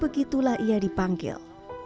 begitulah ia dipanggil